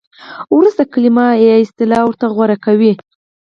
ورسته کلمه یا اصطلاح ورته غوره کوي.